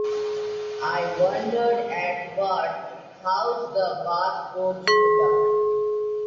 I wondered at what house the Bath coach put up.